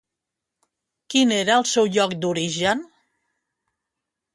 Quin era el seu lloc d'origen?